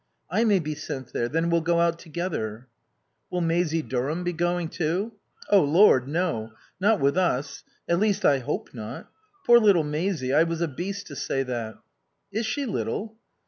"I may be sent there. Then we'll go out together." "Will Maisie Durham be going too?" "O Lord no. Not with us. At least I hope not ... Poor little Maisie, I was a beast to say that." "Is she little?"